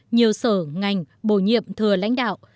nhiều sở ngành bổ nhiệm thừa lãnh đạo